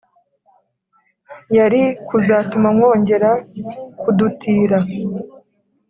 yari kuzatuma mwongera kudutira.